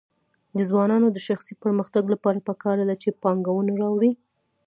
د ځوانانو د شخصي پرمختګ لپاره پکار ده چې پانګونه راوړي.